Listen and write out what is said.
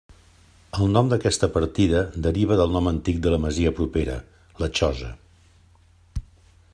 El nom d'aquesta partida deriva del nom antic de la masia propera, la Xosa.